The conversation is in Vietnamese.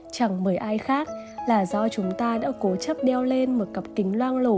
chẳng bởi ai khác là do chúng ta đã cố chấp đeo lên một cặp kính loang lổ